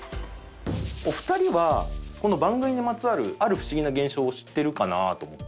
お二人はこの番組にまつわるある不思議な現象を知ってるかなと思って。